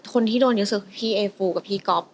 คนที่โดนเยอะสุดคือพี่เอฟูกับพี่ก๊อฟ